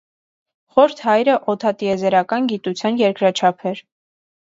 Խորթ հայրը, օդատիեզերական գիտութեան երկրաչափ էր։